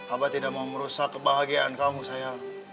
abah tidak mau merusak kebahagiaan kamu sayang